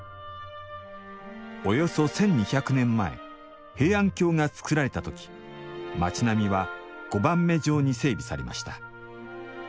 およそ１，２００年前平安京がつくられた時町並みは碁盤目状に整備されました。